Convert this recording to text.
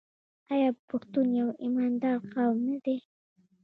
آیا پښتون یو ایماندار قوم نه دی؟